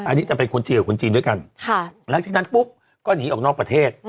อันนี้จะเป็นคนจีนกับคนจีนด้วยกันหลังจากนั้นปุ๊บก็หนีออกนอกประเทศ